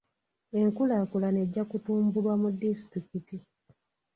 Enkulaakulana ejja kutumbulwa mu disitulikiti.